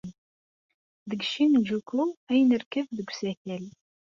Deg Shinjuku ay nerkeb deg usakal.